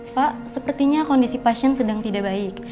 pak sepertinya kondisi pasien sedang tidak baik